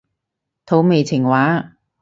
土味情話